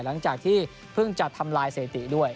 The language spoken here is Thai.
หลังจากที่เพิ่งจะทำลายสถิติด้วย